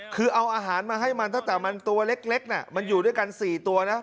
คือเอาอาหารมาให้มันตั้งแต่มันตัวเล็กน่ะมันอยู่ด้วยกัน๔ตัวนะ